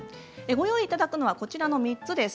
ご用意いただくのは３つです。